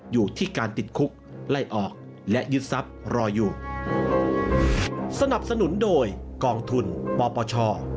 อยู่ที่การติดคุกไล่ออกและยึดทรัพย์รออยู่